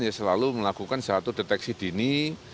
ya selalu melakukan satu deteksi dini